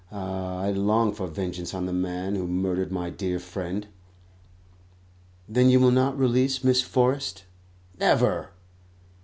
Ah, I long for vengeance on the man who murdered my dear friend." "Then you will not release Miss Forrest?" "Never!"